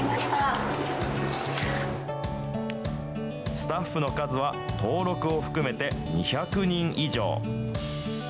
スタッフの数は、登録を含めて２００人以上。